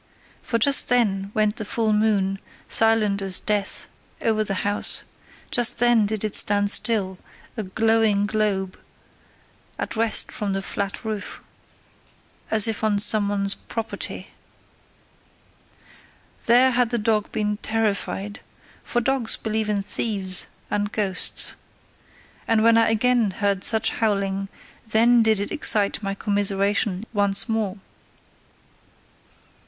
For just then went the full moon, silent as death, over the house; just then did it stand still, a glowing globe at rest on the flat roof, as if on some one's property: Thereby had the dog been terrified: for dogs believe in thieves and ghosts. And when I again heard such howling, then did it excite my commiseration once more.